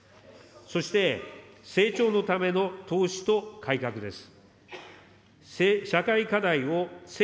そして、成長のための投資と改革です。